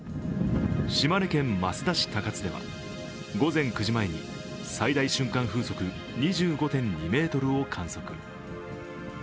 島根県益田市高津では午前９時前に最大瞬間風速２５．２メートルを観測。